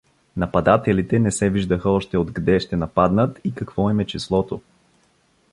Нападателите не се виждаха още отгде ще нападнат и какво им е числото.